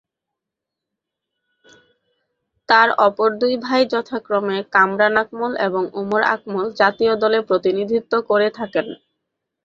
তার অপর দুই ভাই যথাক্রমে কামরান আকমল এবং উমর আকমল জাতীয় দলে প্রতিনিধিত্ব করে থাকেন।